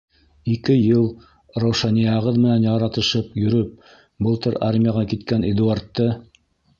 Ике йыл Раушанияғыҙ менән яратышып йөрөп былтыр армияға киткән Эдуардты?